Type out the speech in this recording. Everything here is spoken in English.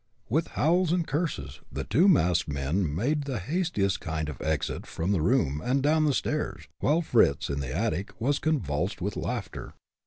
With howls and curses, the two masked men made the hastiest kind of an exit from the room and down the stairs, while Fritz in the attic was convulsed with laughter.